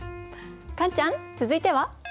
カンちゃん続いては？